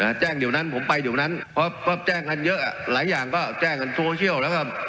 เมื่อตุลาคมปีที่แล้วครับเขากำลังแฉต่อหน้านายกรัฐมนตรีนะครับ